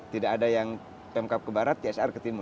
tidak ada yang pemkap ke barat csr ke timur